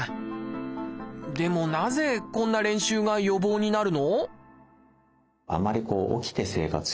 でもなぜこんな練習が予防になるの？